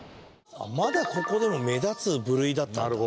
まだここでも目立つ部類だったんだ。